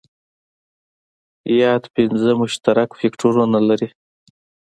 یاد پنځه مشترک فکټورونه لري.